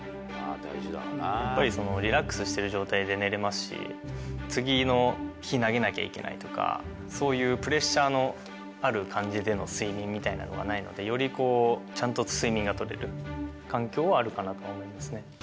やっぱりその、リラックスしている状態で寝れますし、次の日投げなきゃいけないとか、そういうプレッシャーのある感じの睡眠みたいなのはないので、よりちゃんと睡眠がとれる環境はあるかなとは思いますね。